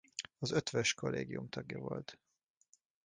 Az Eötvös-kollégium tagja volt.